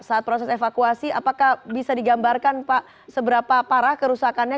saat proses evakuasi apakah bisa digambarkan pak seberapa parah kerusakannya